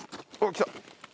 来た！